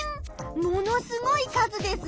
ものすごい数です！